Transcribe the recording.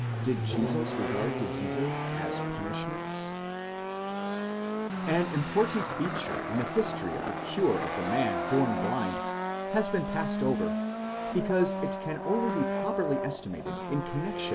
DID JESUS REGARD DISEASES AS PUNISHMENTS ? An important feature in the history of the cure of the man born blind has been passed over, because it can only be properly estimated in connexion.